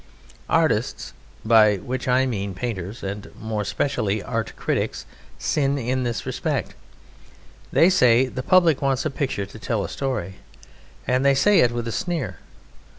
Artists, by which I mean painters, and more especially art critics, sin in this respect. They say: "The public wants a picture to tell a story," and they say it with a sneer.